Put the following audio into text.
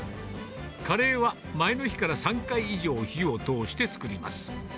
カレーは前の日から３回以上火を通して作ります。